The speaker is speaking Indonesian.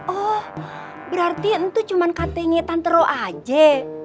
oh berarti itu cuma kata kata tante ro aja